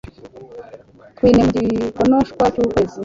twine mu gikonoshwa cy'ukwezi